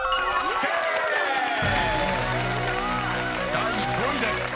［第５位です］